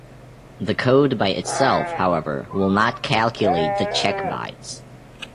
The code by itself, however, will not calculate the check bytes.